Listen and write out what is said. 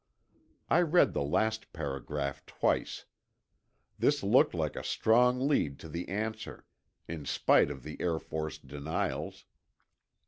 I read the last paragraph twice. This looked like a strong lead to the answer, in spite of the Air Force denials.